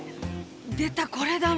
出たこれだもの。